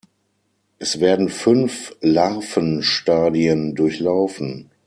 Es werden fünf Larvenstadien durchlaufen.